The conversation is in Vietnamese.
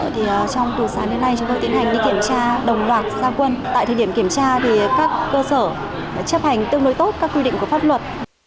trong từ sáng đến nay chúng tôi tiến hành đi kiểm tra đồng loạt gia quân tại thời điểm kiểm tra thì các cơ sở chấp hành tương đối tốt các quy định của pháp luật